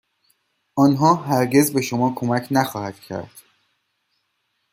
آنها هرگز به شما کمک نخواهد کرد.